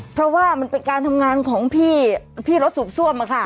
เพราะว่ามันเป็นการทำงานของพี่รถสูบซ่วม